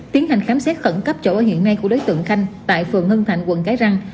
tiến hành khám xét khẩn cấp chỗ ở hiện nay của đối tượng khanh tại phường hưng thạnh quận cái răng